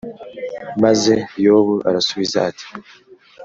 maze yobu arasubiza ati